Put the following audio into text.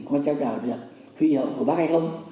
có cháu nào được huy hậu của bác hay không